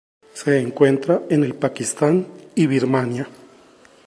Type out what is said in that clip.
Se encuentra en el Pakistán y Birmania.